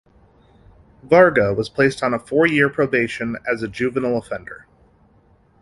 Varga was placed on four year probation as a juvenile offender.